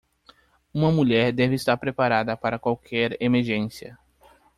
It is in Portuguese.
Uma mulher deve estar preparada para qualquer emergência.